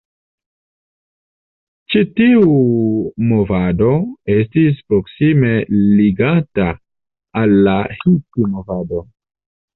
Ĉi tiu movado estis proksime ligata al la Hipi-movado.